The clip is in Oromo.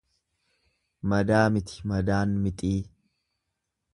Madaa miti madaan mixii.